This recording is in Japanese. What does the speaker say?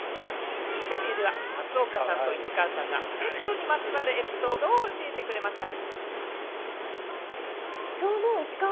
インタビューでは松岡さんと市川さんがペットにまつわるエピソードを教えてくれました。